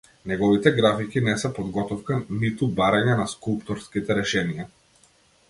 Неговите графики не се подготовка, ниту барање на скулпторски решенија.